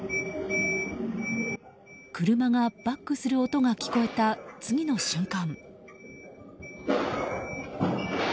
車がバックする音が聞こえた次の瞬間。